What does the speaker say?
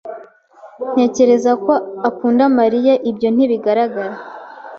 "Ntekereza ko akunda Mariya." "Ibyo ntibigaragara?"